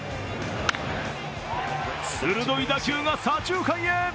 鋭い打球が左中間へ。